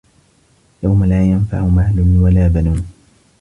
يَومَ لا يَنفَعُ مالٌ وَلا بَنونَ